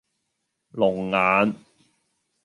龍眼